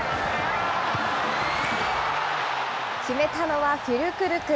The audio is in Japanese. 決めたのはフュルクルク。